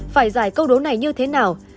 phải giải câu đố này như thế nào